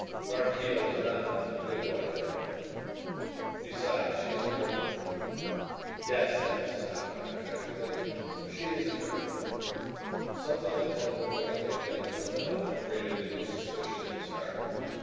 "Maraquito is not a good wife for him. Besides, she is a cripple." "Yes," said Mrs. Octagon tragically, "she is a cripple." Something in the tone of her voice made Jennings look up and created a new suspicion in his heart.